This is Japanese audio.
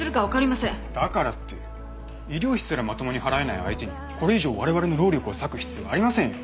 だからって医療費すらまともに払えない相手にこれ以上われわれの労力を割く必要ありませんよ。